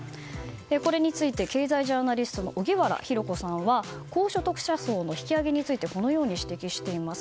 これについて経済ジャーナリスト荻原博子さんは高所得者層の引き上げについてこのように指摘しています。